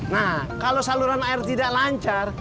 nah kalau saluran air tidak lancar